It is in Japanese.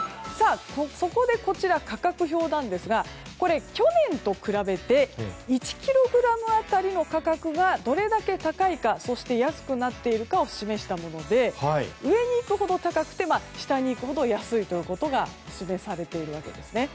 そこでこちら価格表なんですが去年と比べて１ｋｇ当たりの価格がどれだけ高いかそして安くなっているかを示したもので上に行くほど高くて下に行くほど安いということが示されているわけですね。